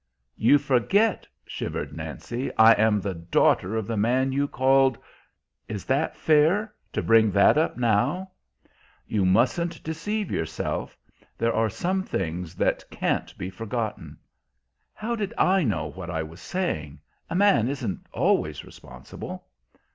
"You forget," shivered Nancy; "I am the daughter of the man you called" "Is that fair to bring that up now?" "You mustn't deceive yourself. There are some things that can't be forgotten." "How did I know what I was saying? A man isn't always responsible."